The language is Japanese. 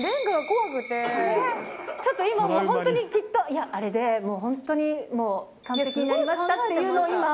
ちょっと今、もう本当にきっと、いや、あれで、本当にもう完璧になりましたっていうのを今。